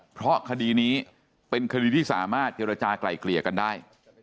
เพราะคดีนี้เป็นคดีที่สามารถเจรจากลายเกลี่ยกันได้